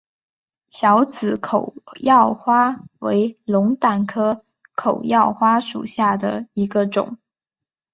小籽口药花为龙胆科口药花属下的一个种。